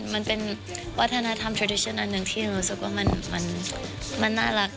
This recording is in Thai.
มันเป็นวัฒนธรรมโปรดิชั่นอันหนึ่งที่หนูรู้สึกว่ามันน่ารัก